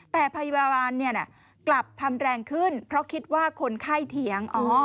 แต่พยาบาลกลับทำแรงขึ้นเพราะคิดว่าคนไข้เถียง